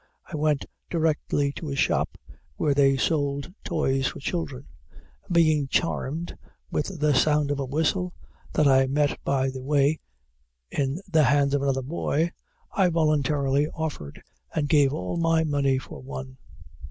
I went directly to a shop where they sold toys for children; and being charmed with the sound of a whistle, that I met by the way in the hands of another boy, I voluntarily offered and gave all my money for one.